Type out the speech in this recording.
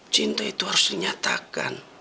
cinta itu harus dinyatakan